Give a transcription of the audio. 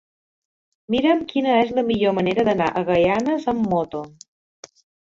Mira'm quina és la millor manera d'anar a Gaianes amb moto.